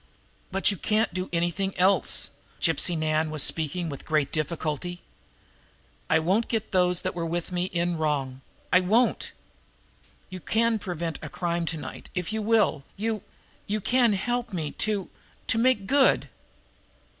"But I can't do anything else!" Gypsy Nan was speaking with great difficulty. "I won't get those that were with me in wrong I won't! You can prevent a crime to night, if you will you you can help me to to make good."